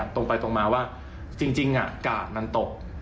ตรงไปตรงมาว่าจริงกาดมันตก